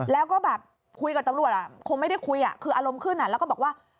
แล้วก็แบบคุยกับตำรวจคงไม่ได้คุยคืออารมณ์ขึ้นแล้วก็บอกว่า